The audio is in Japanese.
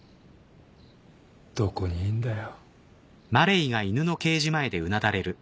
どこにいんだよ。